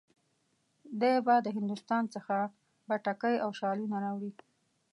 دی به د هندوستان څخه بتکۍ او شالونه راوړي.